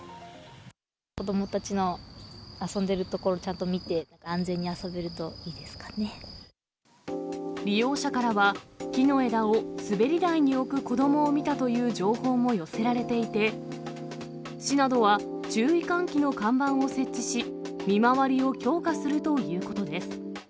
子どもたちの遊んでるところをちゃんと見て、安全に遊べると利用者からは、木の枝を滑り台に置く子どもを見たという情報も寄せられていて、市などは、注意喚起の看板を設置し、見回りを強化するということです。